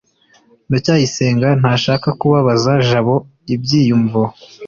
ndacyayisenga ntashaka kubabaza jabo ibyiyumvo